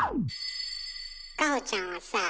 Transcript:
果歩ちゃんはさ